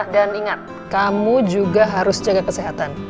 dan ingat kamu juga harus jaga kesehatan